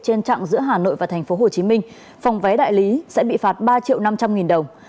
trên chặng giữa hà nội và tp hcm phòng vé đại lý sẽ bị phạt ba triệu năm trăm linh nghìn đồng